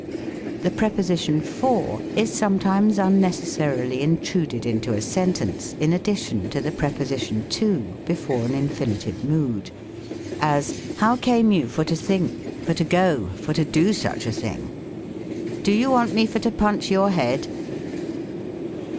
The proposition for is sometimes unnecessarily in truded into a sentence, in addition to the preposition to, before an infinitive mood : as. How came you for to 89 think, ybr to go, for to do such a thing '^" Do you want me for to punch your head?"